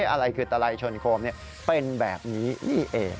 อะไรคือตลัลายชนคมเนี่ยเป็นแบบนี้นี่เอง